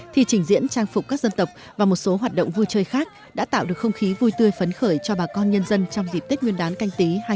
thì trình diễn trang phục các dân tộc và một số hoạt động vui chơi khác đã tạo được không khí vui tươi phấn khởi cho bà con nhân dân trong dịp tết nguyên đán canh tí hai nghìn hai mươi